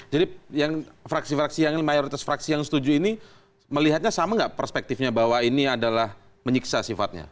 jadi yang fraksi fraksi yang mayoritas fraksi yang setuju ini melihatnya sama nggak perspektifnya bahwa ini adalah menyiksa sifatnya